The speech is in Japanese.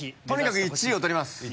とにかく１位を取ります。